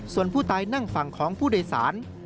ส่วนผู้ตายนั่งฝั่งของผู้โดยสาร